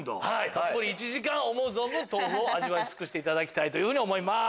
たっぷり１時間思う存分豆腐を味わい尽くしていただきたいと思います。